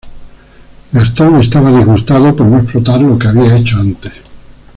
Gastón estaba disgustado por no explotar lo que había hecho antes.